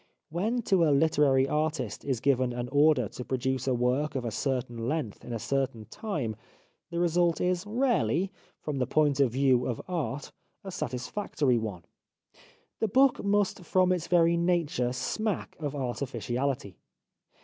When to a literary artist is given an order to produce a work of a certain length in a certain time, the result is rarely, from the point of view 304 The Life of Oscar Wilde of art, a satisfactory one. The book must from its very nature smack of artificiality.